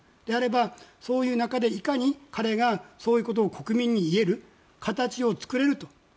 であれば、そういう中でいかに彼がそういうことを国民に言える形を作れるか。